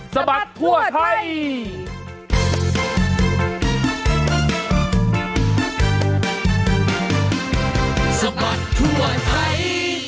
สมัตย์ทั่วไทย